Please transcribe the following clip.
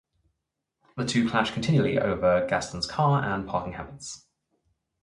The two clash continually over Gaston's car and parking habits.